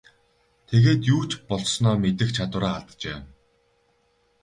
Тэгээд юу ч болсноо мэдэх чадвараа алджээ.